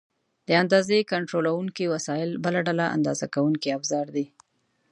د اندازې کنټرولونکي وسایل بله ډله اندازه کوونکي افزار دي.